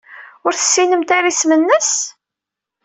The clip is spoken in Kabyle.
Ur tessinemt ara isem-nnes?